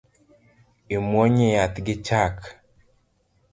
Imuonyo yath gi chak